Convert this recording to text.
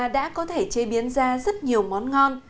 đã có thể chế biến ra rất nhiều món ngon